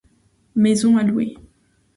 Maison à louer.